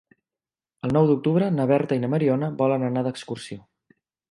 El nou d'octubre na Berta i na Mariona volen anar d'excursió.